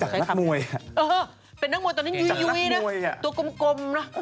เป็นนักมวยอะเป็นนักมวยตอนนี้ยุยนะตัวกลมนะ